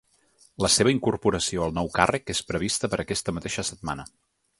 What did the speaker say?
La seva incorporació al nou càrrec és prevista per a aquesta mateixa setmana.